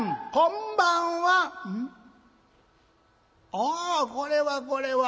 ああこれはこれは。